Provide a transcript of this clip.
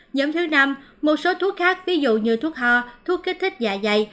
nhóm thứ năm một số thuốc khác ví dụ như thuốc ho thuốc kích thích dạ dày